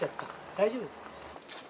大丈夫？